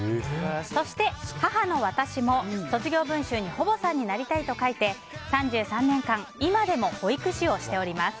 そして、母の私も卒業文集に保母さんになりたいと書いて３３年間今でも保育士をしております。